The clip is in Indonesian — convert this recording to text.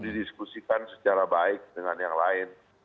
didiskusikan secara baik dengan yang lain